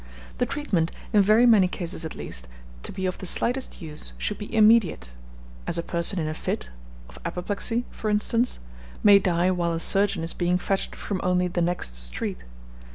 The treatment, in very many cases at least, to be of the slightest use, should be immediate, as a person in a fit (of apoplexy for instance) may die while a surgeon is being fetched from only the next street.